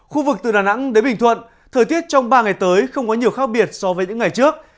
khu vực từ đà nẵng đến bình thuận thời tiết trong ba ngày tới không có nhiều khác biệt so với những ngày trước